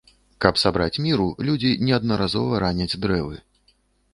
Каб сабраць міру людзі неаднаразова раняць дрэвы.